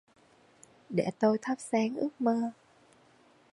Để tôi thắp sáng ước mơ.